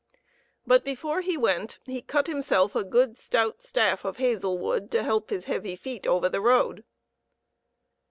But before he went, he cut himself a good stout staff of hazel wood to help his heavy feet over the road.